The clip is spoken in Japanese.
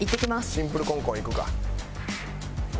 シンプルコンコンいくか。